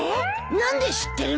何で知ってるの？